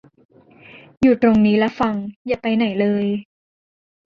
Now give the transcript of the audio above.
อยู่ตรงนี้ล่ะฟัง อย่าไปไหนเลย